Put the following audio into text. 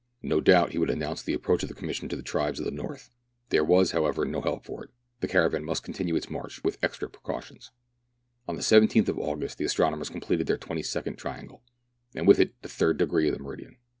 No doubt he would announce the approach of the Commission to the tribes of the north. There was, how ever, no help for it now; the caravan must continue its march with extra precautions. On the 17th of August the astronomers completed their twenty second triangle, and with it the third degree of the meridian.